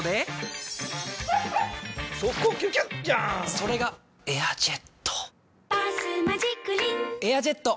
それが「エアジェット」「バスマジックリン」「エアジェット」！